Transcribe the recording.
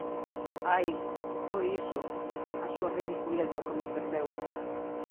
Ai! Foi iso, a súa ridiculez o que me perdeu.